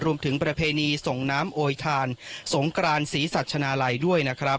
ประเพณีส่งน้ำโอยทานสงกรานศรีสัชนาลัยด้วยนะครับ